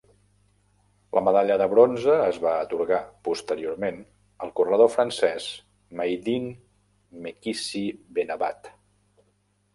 La medalla de bronze es va atorgat posteriorment al corredor francès Mahiedine Mekhissi-Benabbad.